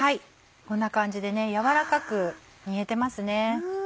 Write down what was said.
こんな感じでね軟らかく煮えてますね。